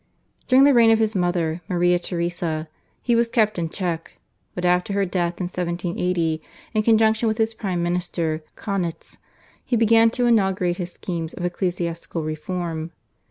During the reign of his mother, Maria Theresa, he was kept in check, but after her death in 1780, in conjunction with his prime minister, Kaunitz, he began to inaugurate his schemes of ecclesiastical reform.